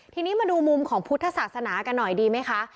ทีนี้มาดูมุมของพุทธศาสนากันหน่อยดีไหมคะ